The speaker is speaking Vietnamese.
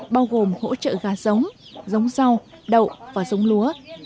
bao gồm hỗ trợ gà giống giống rau đậu và giống lúa